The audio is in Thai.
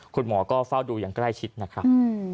คุณหมอก็เฝ้าดูอย่างใกล้ชิดนะครับ